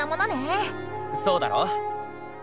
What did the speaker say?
そうだろ。